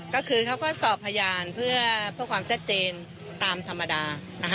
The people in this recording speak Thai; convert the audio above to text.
ก็คือเขาก็สอบพยานเพื่อความชัดเจนตามธรรมดานะคะ